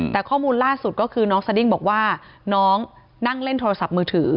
แต่ข้อมูลล่าสุดก็คือน้องสดิ้งบอกว่าน้องนั่งเล่นโทรศัพท์มือถือ